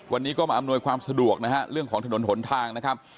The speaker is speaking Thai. วันนี้ก็มาอำนวยความสะดวกนะฮะเรื่องของถนนหนทางนะครับ